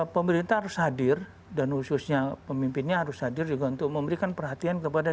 pemerintah harus hadir dan khususnya pemimpinnya harus hadir juga untuk memberikan perhatian kepada